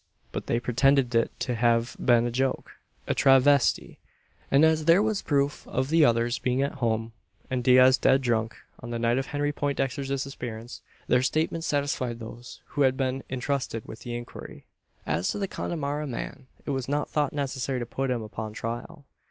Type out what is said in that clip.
But they pretended it to have been a joke a travestie; and as there was proof of the others being at home and Diaz dead drunk on the night of Henry Poindexter's disappearance, their statement satisfied those who had been entrusted with the inquiry. As to the Connemara man, it was not thought necessary to put him upon trial.